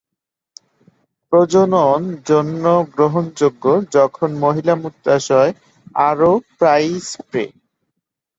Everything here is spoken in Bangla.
প্রজনন জন্য গ্রহণযোগ্য যখন মহিলা মূত্রাশয় আরো প্রায়ই স্প্রে।